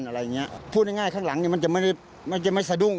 อะไรอย่างเงี้ยพูดง่ายข้างหลังเนี่ยมันจะไม่ได้ไม่สะดุ้ง